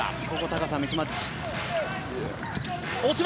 高さ、ミスマッチ。